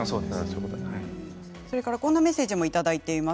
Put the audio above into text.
こんなメッセージもいただいています。